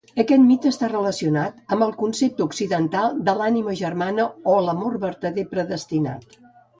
Aquest mite està relacionat amb el concepte occidental de l'ànima germana o l'amor vertader predestinat.